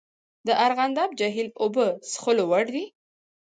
د ارغنداب جهیل اوبه څښلو وړ دي؟